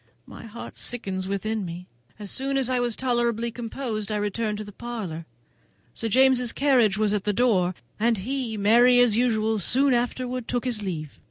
My heart sickens within me. As soon as I was tolerably composed I returned to the parlour. Sir James's carriage was at the door, and he, merry as usual, soon afterwards took his leave.